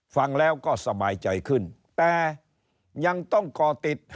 ฟังแล้วก็สบายใจขึ้นแต่ยังต้องก่อติด